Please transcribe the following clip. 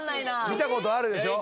見たことあるでしょ？